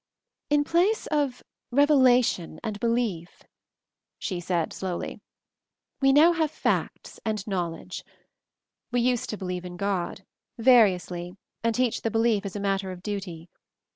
"In place of Revelation and Belief," she said slowly, "we now have Facts and Knowl edge. We used to believe in God — variously, and teach the belief as a matter of duty.